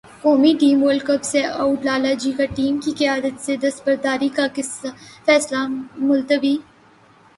قومی team world cup سے اٹ لالہ جی کا ٹیم کی قیادت سے دستبرداری کا فیصلہ ملتوی